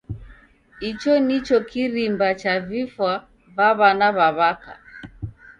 Icho nicho kirimba cha vifwa va w'ana w'a'waka.